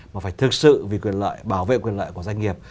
mà phải thực sự vì quyền lợi bảo vệ quyền lợi của doanh nghiệp